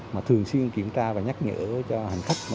mà thường xuyên kiểm tra và nhắc nhở cho hành khách